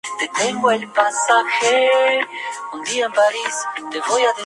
La lectura de este cómic le inspiró para realizar su obra posterior.